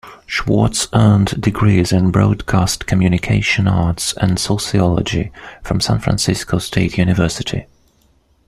Schwartz earned degrees in Broadcast Communication Arts and Sociology from San Francisco State University.